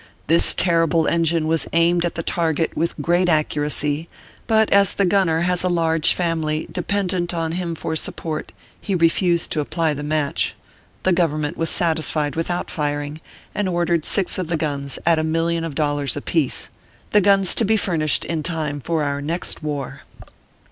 This ter rible engine was aimed at the target with great accu racy ; but as the gunner has a large family dependent on him for support, he refused to apply the match. The Government was satisfied without firing, and ordered six of the guns at a million of dollars apiece. The guns to be furnished in time for our next war.